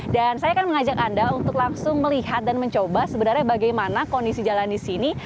dan saya akan mengajak anda untuk langsung melihat dan mencoba sebenarnya bagaimana kondisi jalan di sini